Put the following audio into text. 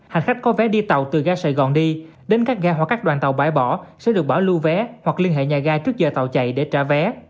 hành khách có vé đi tàu từ ga sài gòn đi đến các ga hoặc các đoàn tàu bãi bỏ sẽ được bảo lưu vé hoặc liên hệ nhà ga trước giờ tàu chạy để trả vé